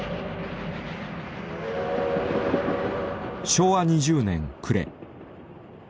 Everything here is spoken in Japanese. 昭和２０年暮れ。